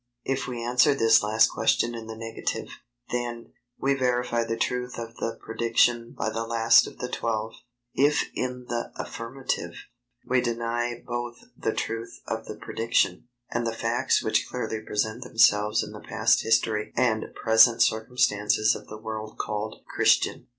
If we answer this last question in the negative, then, we verify the truth of the prediction by the last of the Twelve; if in the affirmative, we deny both the truth of the prediction, and the facts which clearly present themselves in the past history and present circumstances of the world called "Christian."